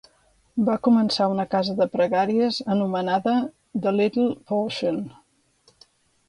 Va començar una casa de pregàries anomenada "The Little Portion".